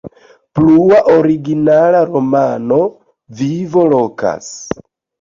Plua originala romano: "Vivo Vokas".